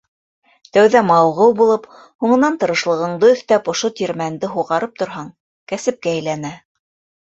Тәүҙә мауығыу булып, һуңынан, тырышлығыңды өҫтәп, ошо тирмәнде һуғарып торһаң, кәсепкә әйләнә.